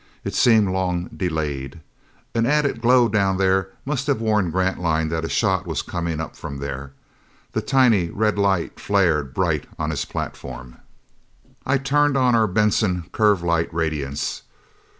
It seemed long delayed. An added glow down there must have warned Grantline that a shot was coming from there. The tiny red light flared bright on his platform. I turned on our Benson curve light radiance.